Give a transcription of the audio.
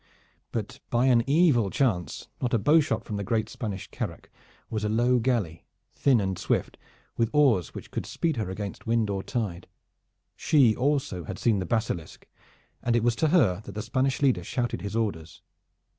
But by an evil chance not a bowshot from the great Spanish carack was a low galley, thin and swift, with oars which could speed her against wind or tide. She also had seen the Basilisk and it was to her that the Spanish leader shouted his orders.